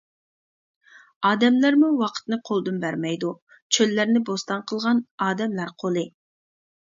ئادەملەرمۇ ۋاقىتنى قولدىن بەرمەيدۇ، چۆللەرنى بوستان قىلغان ئادەملەر قولى.